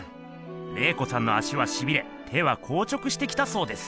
麗子さんの足はしびれ手はこう直してきたそうです。